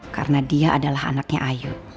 karena dia adalah anaknya ayu